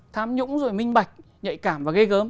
thám nhũng rồi minh bạch nhạy cảm và ghê gớm